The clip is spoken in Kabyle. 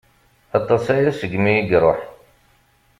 Aṭas aya segmi i iruḥ.